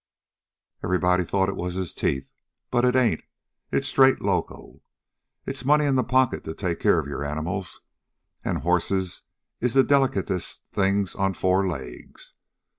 Everybody thought it was his teeth, but it ain't. It's straight loco. It's money in pocket to take care of your animals, an' horses is the delicatest things on four legs.